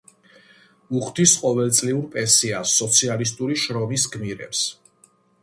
უხდის ყოველწლიურ პენსიას სოციალისტური შრომის გმირებს.